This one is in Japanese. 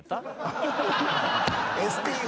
ＳＴＵ。